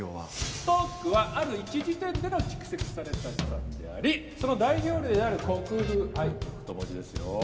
「ストックはある一時点での蓄積された資産でありその代表例である国富」はい太文字ですよ。